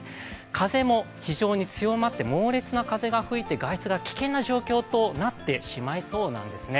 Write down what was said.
風も非常に強まって猛烈な風が吹いて外出も危険な状況となってしまいそうなんですね。